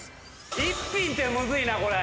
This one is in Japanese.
１ピンってむずいなこれ。